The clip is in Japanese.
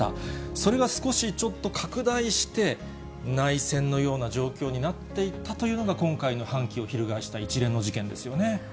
それが少しちょっと拡大して、内戦のような状況になっていったというのが今回の反旗を翻した一連の事件ですよね。